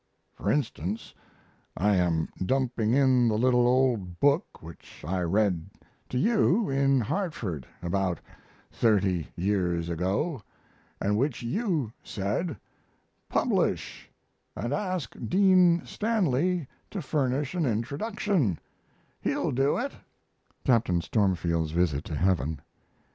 For instance, I am dumping in the little old book which I read to you in Hartford about 30 years ago & which you said "publish & ask Dean Stanley to furnish an introduction; he'll do it" (Captain Stormfield's Visit to Heaven).